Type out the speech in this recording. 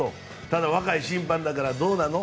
ただ、若い審判だからどうなの？